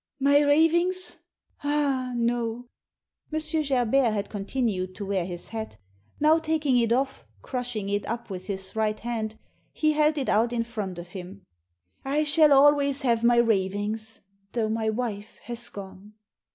"My ravings? Ah, no!" M. Gerbert had con tinued to wear his hat Now, taking it off, crushing it up with his right hand, he held it out in front of him. "I shall always have my ravings, though my wife has gone."